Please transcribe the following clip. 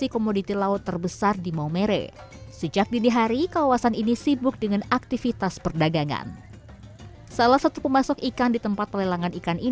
kembali ke kampung wuring